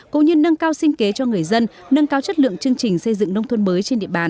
cũng như nâng cao sinh kế cho người dân nâng cao chất lượng chương trình xây dựng nông thôn mới trên địa bàn